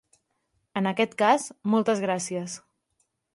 En aquest cas, moltes gràcies!